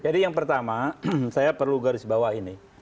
jadi yang pertama saya perlu garis bawah ini